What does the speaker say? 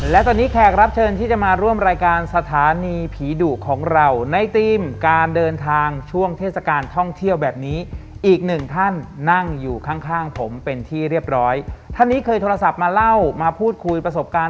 และตอนนี้แขกรับเชิญที่จะมาร่วมรายการสถานีผีดุของเราในทีมการเดินทางช่วงเทศกาลท่องเที่ยวแบบนี้อีกหนึ่งท่านนั่งอยู่ข้างข้างผมเป็นที่เรียบร้อยท่านนี้เคยโทรศัพท์มาเล่ามาพูดคุยประสบการณ์